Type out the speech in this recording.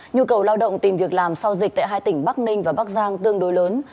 nhu cầu lao động tìm việc làm sau dịch tại hai tỉnh bắc ninh và bắc giang tương đối lớn